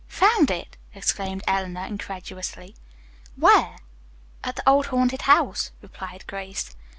"Found it!" exclaimed Eleanor incredulously. "Where?" "At the old haunted house," replied Grace.